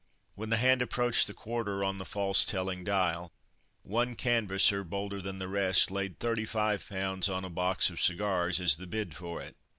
When the hand approached the quarter on the false telling dial, one canvasser, bolder than the rest, laid 35 pounds on a box of cigars, as the bid for it.